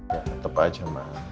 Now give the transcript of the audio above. ya tepat aja ma